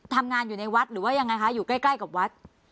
ทำงานอยู่ในวัดหรือว่ายังไงคะอยู่ใกล้กับวัด